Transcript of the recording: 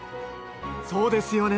そうですよね。